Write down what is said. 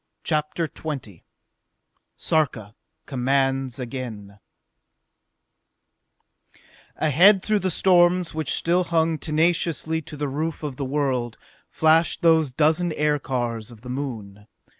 CHAPTER XX Sarka Commands Again Ahead, through the storms which still hung tenaciously to the roof of the world, flashed those dozen aircars of the Moon.